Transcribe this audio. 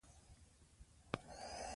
اولادونه به یې منډې رامنډې کوي.